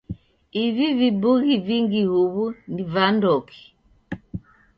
Ivi vibughi vingi huw'u ni vandoki?